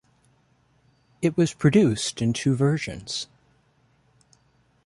It was produced in two versions.